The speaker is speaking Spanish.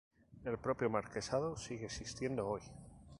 El propio marquesado sigue existiendo hoy.